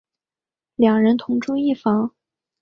两人同住一房。